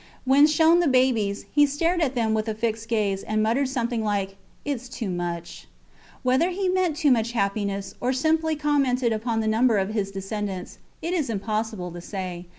When shown the babies, he stared at them with a fixed gaze, and muttered something like: Its too much. Whether he meant too much happiness, or simply commented upon the number of his descendants, it is impossible to say.